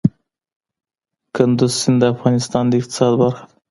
کندز سیند د افغانستان د اقتصاد برخه ده.